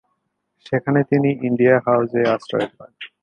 সেখানে তিনি ইন্ডিয়া হাউসে আশ্রয় পান।